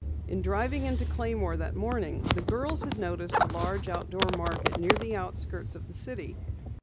In driving into Claymore that morning the girls had noticed a large outdoor market near the outskirts of the city.